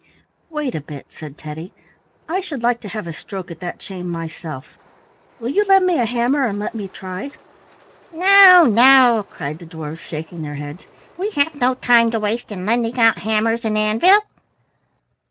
"Wait a bit," said Teddy, "I should like to have a stroke at that chain myself. Will you lend me a hammer and let me try?" "No, no," cried the dwarfs, shaking their heads. "We have no time to waste in lending out hammers and anvil."